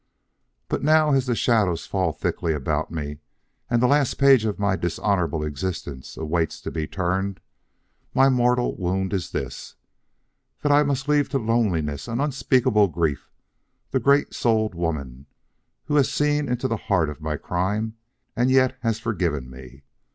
"But now, as the shadows fall thickly about me and the last page of my dishonorable existence awaits to be turned, my mortal wound is this: that I must leave to loneliness and unspeakable grief the great souled woman who has seen into the heart of my crime and yet has forgiven me.